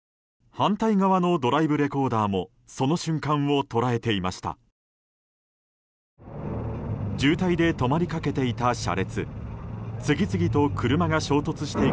反対側のドライブレコーダーもその瞬間を捉えていました。